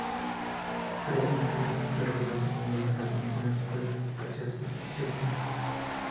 Creo que mujeres, hombres, perros, gatos, hormigas y alienígenas pueden expresarse y ser vulnerables".